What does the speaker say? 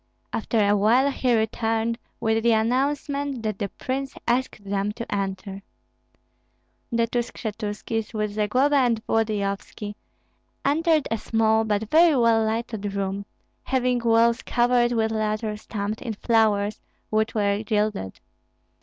After a while he returned with the announcement that the prince asked them to enter. The two Skshetuskis, with Zagloba and Volodyovski, entered a small but very well lighted room, having walls covered with leather stamped in flowers, which were gilded.